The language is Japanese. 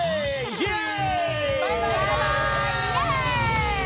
イエーイ！